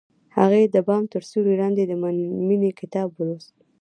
هغې د بام تر سیوري لاندې د مینې کتاب ولوست.